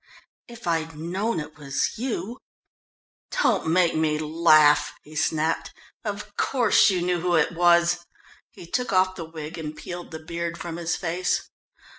"If I'd known it was you " "Don't make me laugh!" he snapped. "Of course you knew who it was!" He took off the wig and peeled the beard from his face.